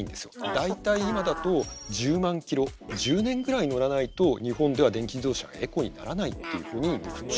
大体今だと１０万ｋｍ１０年ぐらい乗らないと日本では電気自動車がエコにならないっていうふうに見積もられてる。